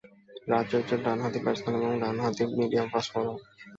রাজু একজন ডান-হাঁতি ব্যাটসম্যান এবং একজন ডান-হাঁতি মিডিয়াম-ফাস্ট বোলার।